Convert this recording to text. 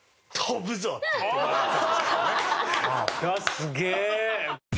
すげえ！